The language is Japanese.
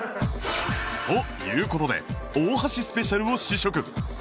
という事で大橋スペシャルを試食